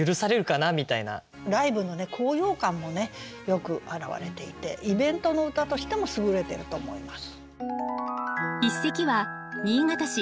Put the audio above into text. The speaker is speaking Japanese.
ライブの高揚感もよく表れていてイベントの歌としても優れてると思います。